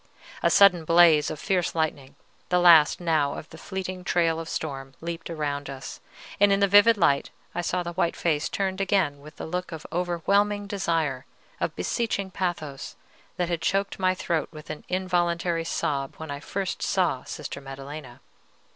A sudden blaze of fierce lightning, the last now of the fleeting trail of storm, leaped around us, and in the vivid light I saw the white face turned again with the look of overwhelming desire, of beseeching pathos, that had choked my throat with an involuntary sob when first I saw Sister Maddelena.